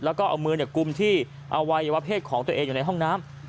แล้วก็เอามือกุมที่อวัยวะเพศของตัวเองอยู่ในห้องน้ำ